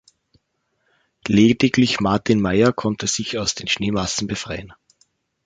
Lediglich Martin Maier konnte sich aus den Schneemassen befreien.